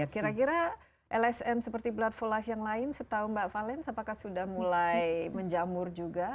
kira kira lsm seperti blood for life yang lain setahu mbak valen apakah sudah mulai menjamur juga